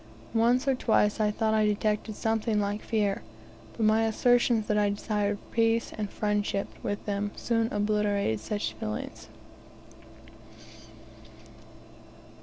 Once or twice I thought I detected something like fear, but my assertions that I desired peace and friendship with them soon obliterated all such feelings.